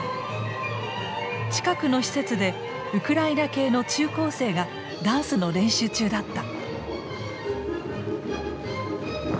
近くの施設でウクライナ系の中高生がダンスの練習中だった。